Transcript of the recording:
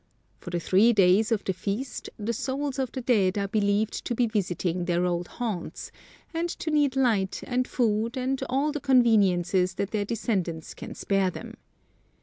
For the three days of the feast, the souls of the dead are believed to be visiting their old haunts, and to need light and food and all the conveniences that their descendants can spare them.